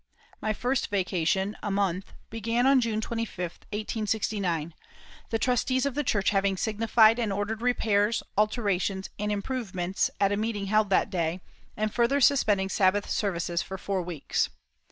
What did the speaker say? My first vacation, a month, began on June 25, 1869, the trustees of the church having signified and ordered repairs, alterations and improvements at a meeting held that day, and further suspending Sabbath services for four weeks.